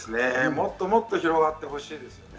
もっともっと広がってほしいですね。